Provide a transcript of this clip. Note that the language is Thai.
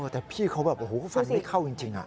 แต่พี่เขาแบบโอ้โหฟันไม่เข้าจริง